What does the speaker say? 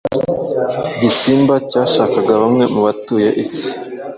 Igisimba cyashakaga bamwe mubatuye isi